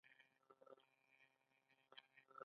دا د سیمې لپاره ښه خبر دی.